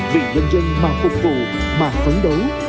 vị nhân dân mà phục vụ mà phấn đấu